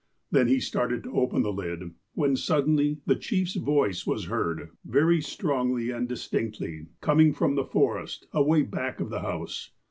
Then he started to open the lid, when, suddenly, the chief's voice was heard, very strongly and distinctly, coming from the forest, away back of the house.